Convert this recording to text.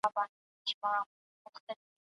د نورو د نظرونو په یادولو کې باید ځنډ ونه سی.